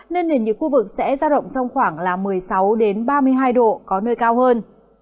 nên nền nhiệt khu vực sẽ ra động trong khoảng một mươi sáu ba mươi hai độ có nơi cao hơn